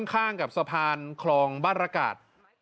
ข้างกับสะพานคลองบ้านระกาศ